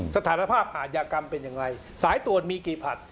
สถานภาพอาทยากรรมเป็นอย่างไรสายตรวจมีกี่ผัด